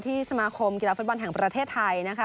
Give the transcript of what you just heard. สมาคมกีฬาฟุตบอลแห่งประเทศไทยนะคะ